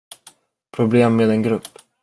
Problem med en grupp!